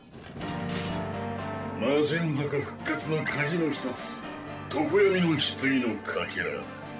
魔神族復活の鍵の一つ「常闇の棺」のかけら。